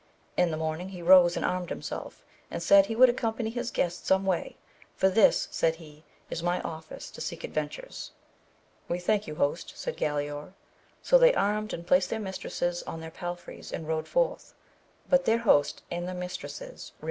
In the morning he rose and armed himself, and said he would accompany his guests some way, for this, said he, is my office to seek adven tures. We thank you host, said Galaor. So they armed and placed their mistresses on their palfreys and rode forth, but their host and the mistresses re 234 AMADIS OF GAUL.